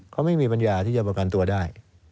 เขาไม่มีปัญญาที่จะประกันตัวได้